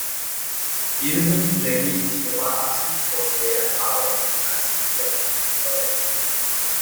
Irwin le dice que va así porque era Halloween, así que Rene lo deja.